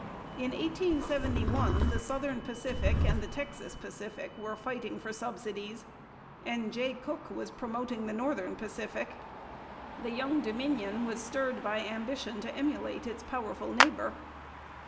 In 1871 the Southern Pacific and the Texas Pacific were fighting for subsidies, and Jay Cooke was promoting the Northern Pacific. The young Dominion was stirred by ambition to emulate its powerful neighbour.